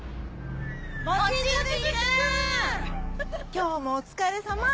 今日もお疲れさま。